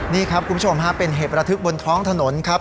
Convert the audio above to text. นี่ครับคุณผู้ชมฮะเป็นเหตุระทึกบนท้องถนนครับ